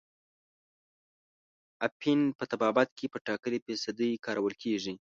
اپین په طبابت کې په ټاکلې فیصدۍ کارول کیږي.